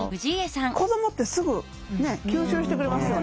子どもってすぐねえ吸収してくれますよね。